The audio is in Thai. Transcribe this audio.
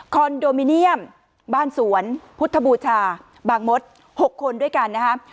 นโดมิเนียมบ้านสวนพุทธบูชาบางมด๖คนด้วยกันนะครับ